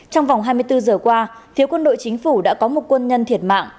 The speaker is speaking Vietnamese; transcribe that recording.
trong vòng hai mươi bốn giờ qua phiếu quân đội chính phủ đã có một quân nhân thiệt mạng